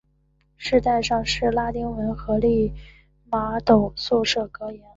饰带上是拉丁文的利玛窦宿舍格言。